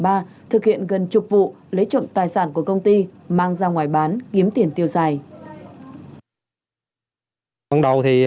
các đối tượng đã khai nhận gần chục vụ lấy chuẩn tài sản của công ty mang ra ngoài bán kiếm tiền tiêu giày